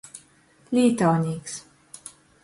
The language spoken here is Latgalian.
Lītaunīks.